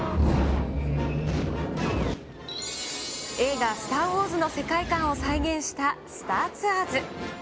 映画、スター・ウォーズの世界観を再現したスター・ツアーズ。